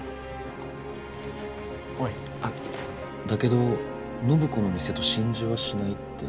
だけど暢子の店と心中はしないって。